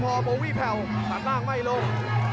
พอโบวี่แผ่วตัดล่างไม่ลง